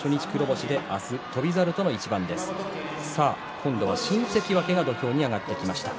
今度は関脇が土俵に上がってきました。